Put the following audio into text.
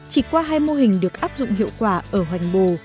chỉ qua hai mô hình được áp dụng hiệu quả ở hoành bồ